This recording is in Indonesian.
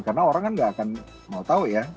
karena orang kan tidak akan mau tahu ya